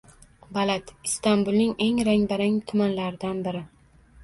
Balat – Istanbulning eng rang-barang tumanlaridan biri